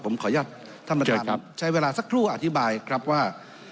ผมขออนุญาตท่านประธานใช้เวลาสักครู่อธิบายครับว่า